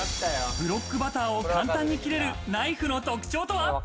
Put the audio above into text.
ブロックバターを簡単に切れるナイフの特徴とは？